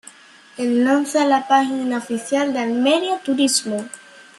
Enlace a la página oficial de Almería Turismo